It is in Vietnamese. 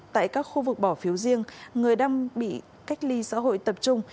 tại các khu vực bỏ phiếu riêng người đang bị cách ly xã hội tập trung